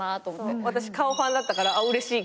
私顔ファンだったからうれしい。